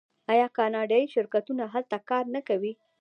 آیا کاناډایی شرکتونه هلته کار نه کوي؟